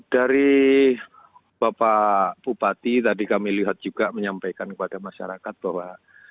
dari bapak bupati tadi kami lihat juga menyampaikan kepada masyarakat bahwa